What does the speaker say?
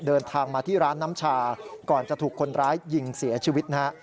เดินทางมาที่ร้านน้ำชาก่อนจะถูกคนร้ายยิงเสียชีวิตนะฮะ